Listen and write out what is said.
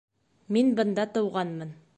— Мин бында тыуғанмын.